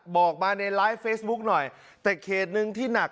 บอกมาในไลฟ์เฟซบุ๊คหน่อยแต่เขตหนึ่งที่หนัก